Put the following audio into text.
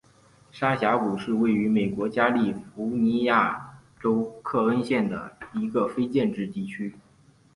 沙峡谷是位于美国加利福尼亚州克恩县的一个非建制地区。